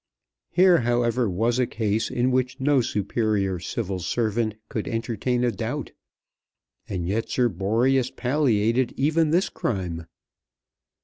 Here, however, was a case in which no superior Civil Servant could entertain a doubt. And yet Sir Boreas palliated even this crime!